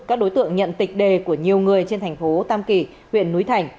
các đối tượng nhận tịch đề của nhiều người trên thành phố tam kỳ huyện núi thành